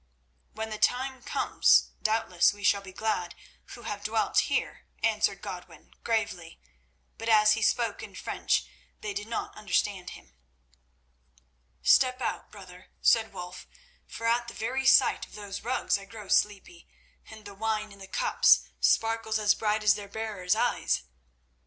"When the time comes doubtless we shall be glad, who have dwelt here," answered Godwin gravely, but as he spoke in French they did not understand him. "Step out, brother," said Wulf, "for at the very sight of those rugs I grow sleepy, and the wine in the cups sparkles as bright as their bearers' eyes."